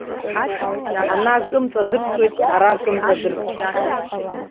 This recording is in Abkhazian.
Ана акы мҵадырсуеит, ара акы мҵадырст.